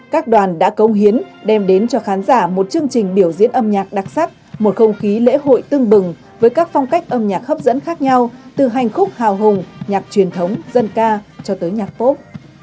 các đoàn đã công hiến đem đến cho khán giả một chương trình biểu diễn âm nhạc đặc sắc một không khí lễ hội tưng bừng với các phong cách âm nhạc hấp dẫn khác nhau từ hành khúc hào hùng nhạc truyền thống dân ca cho tới nhạc phốp